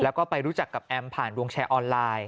แล้วก็ไปรู้จักกับแอมผ่านวงแชร์ออนไลน์